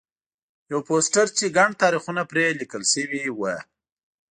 یو پوسټر چې ګڼ تاریخونه پرې لیکل شوي وو.